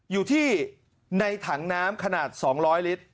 อยู่ที่ในถังน้ำขนาด๒๐๐ลิตร